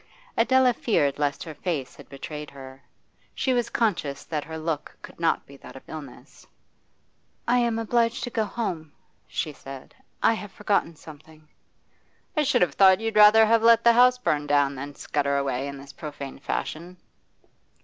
Adela feared lest her face had betrayed her. She was conscious that her look could not be that of illness. 'I am obliged to go home,' she said, 'I have forgotten something.' 'I should have thought you'd rather have let the house burn down than scutter away in this profane fashion.